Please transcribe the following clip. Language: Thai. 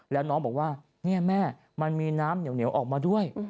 แล้วน้องบอกว่าเนี่ยแม่มันมีน้ำเหนียวออกมาด้วย